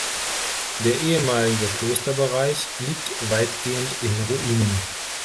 Der ehemalige Klosterbereich liegt weitgehend in Ruinen.